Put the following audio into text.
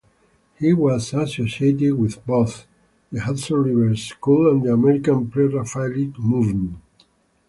He was associated with both the Hudson River School and the American Pre-Raphaelite movement.